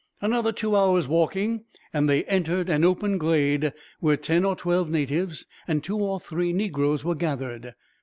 Another two hours' walking, and they entered an open glade; where ten or twelve natives, and two or three negroes were gathered.